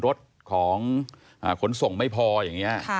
รถของขนส่งไม่พออย่างนี้